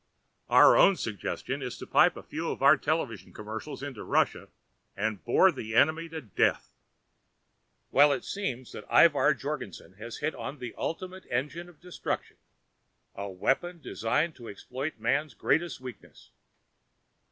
Our own suggestion is to pipe a few of our television commercials into Russia and bore the enemy to death._ _Well, it seems that Ivar Jorgensen has hit on the ultimate engine of destruction: a weapon designed to exploit man's greatest weakness.